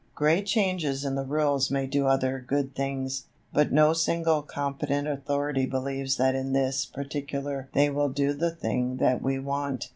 Great changes in the rules may do other good things, but no single competent authority believes that in this particular they will do the thing that we want.